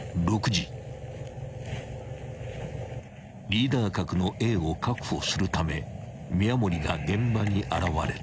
［リーダー格のＡを確保するため宮守が現場に現れた］